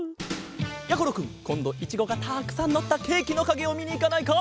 やころくんこんどいちごがたくさんのったケーキのかげをみにいかないか？